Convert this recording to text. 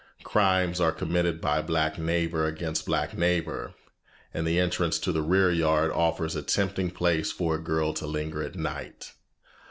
Crimes are committed by black neighbor against black neighbor, and the entrance to the rear yard offers a tempting place for a girl to linger at night.